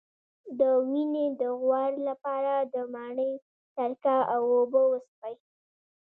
د وینې د غوړ لپاره د مڼې سرکه او اوبه وڅښئ